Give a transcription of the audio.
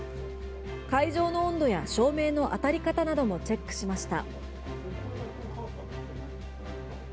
会場の温度や照明の当たり方などもチェックしました。